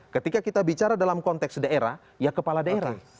ketika kita bicara dalam konteks daerah ya kepala daerah